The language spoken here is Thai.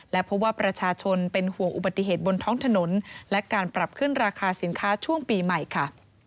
และเพราะว่าประชาชนเป็นห่วงอุบัติเหตุบนท้องถนนและการปรับขึ้นราคาสินค้าช่วงปีใหม่ค่ะ